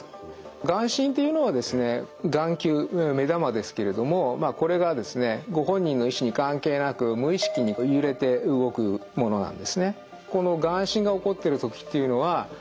眼振っていうのはですね眼球目玉ですけれどもこれがですねご本人の意思に関係なく無意識に揺れて動くものなんですね。